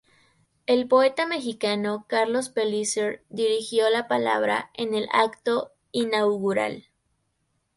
El poeta mexicano Carlos Pellicer dirigió la palabra en el acto inaugural.